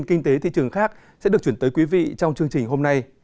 kinh tế thị trường khác sẽ được chuyển tới quý vị trong chương trình hôm nay